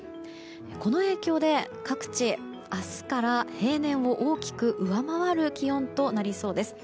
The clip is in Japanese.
この影響で各地、明日から平年を大きく上回る気温となりそうです。